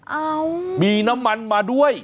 เอ้ามีน้ำมันมาด้วย